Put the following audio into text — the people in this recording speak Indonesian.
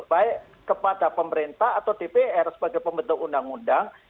baik kepada pemerintah atau dpr sebagai pembentuk undang undang